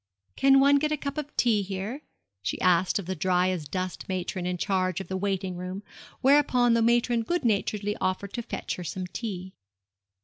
'Can one get a cup of tea here?' she asked of the dry as dust matron in charge of the waiting room; whereupon the matron good naturedly offered to fetch her some tea.